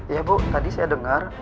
iya bu tadi saya dengar